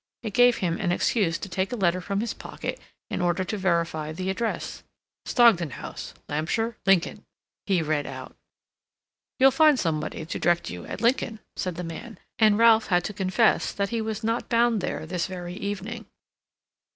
It gave him an excuse to take a letter from his pocket in order to verify the address. "Stogdon House, Lampsher, Lincoln," he read out. "You'll find somebody to direct you at Lincoln," said the man; and Ralph had to confess that he was not bound there this very evening.